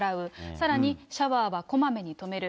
さらに、シャワーはこまめに止める。